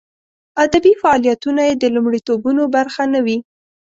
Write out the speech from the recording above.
ادبي فعالیتونه یې د لومړیتوبونو برخه نه وي.